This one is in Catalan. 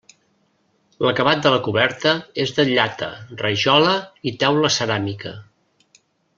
L'acabat de la coberta és de llata, rajola i teula ceràmica.